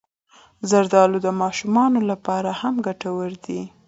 زردالو د ماشومانو لپاره هم ګټور دی.